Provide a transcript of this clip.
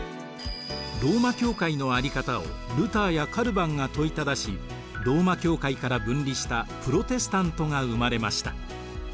ローマ教会のあり方をルターやカルヴァンが問いただしローマ教会から分離したプロテスタントが生まれました。